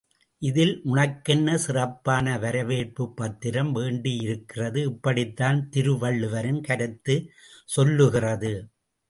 இதில் உனக்கென்ன சிறப்பான வரவேற்புப் பத்திரம் வேண்டியிருக்கிறது? இப்படித்தான் திருவள்ளுவரின் கருத்துச் செல்லுகிறது.